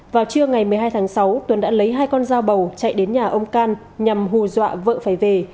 vào trưa ngày một mươi hai tháng sáu tuấn đã lấy hai con dao bầu chạy đến nhà ông can nhằm hù dọa vợ phải về